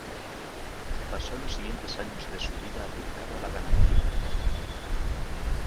Pasó los siguientes años de su vida dedicado a la ganadería.